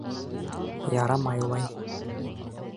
Ярамай улай.